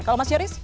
kalau mas yoris